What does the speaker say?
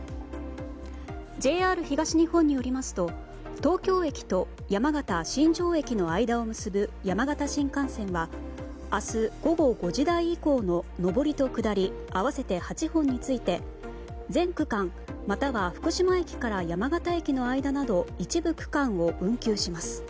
ＪＲ東日本によりますと東京駅と山形・新庄駅の間を結ぶ山形新幹線は明日午後５時台以降も上りと下り合わせて８本について全区間または福島駅から山形駅の間など一部区間を運休します。